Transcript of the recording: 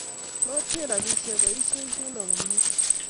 Motinye robisshe boisiek chuno komie.